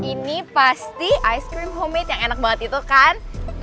ini pasti ice cream homemade yang enak banget itu kan